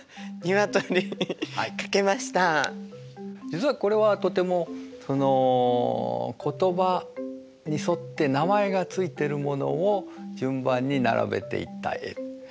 実はこれはとてもその言葉に沿って名前が付いてるものを順番に並べていった絵っていうものなんですね。